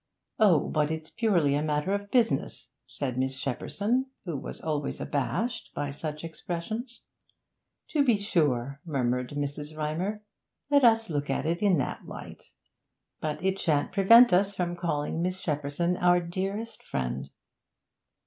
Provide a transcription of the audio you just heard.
'Oh, but it's purely a matter of business,' said Miss Shepperson, who was always abashed by such expressions. 'To be sure,' murmured Mrs. Rymer. 'Let us look at it in that light. But it shan't prevent us from calling Miss Shepperson our dearest friend.'